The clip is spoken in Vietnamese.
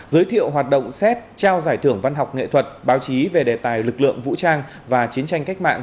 giới thiệu hoạt động xét trao giải thưởng văn học nghệ thuật báo chí về đề tài lực lượng vũ trang và chiến tranh cách mạng